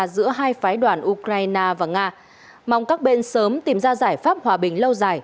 giữa hai phái đoàn ukraine và nga mong các bên sớm tìm ra giải pháp hòa bình lâu dài